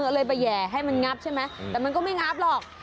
เลยไปแห่ให้มันงับใช่ไหมแต่มันก็ไม่งับหรอก